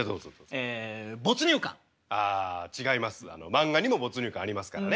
漫画にも没入感ありますからね。